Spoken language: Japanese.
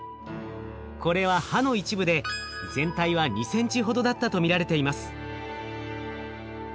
これは歯の一部で全体は２ｃｍほどだったと見られています。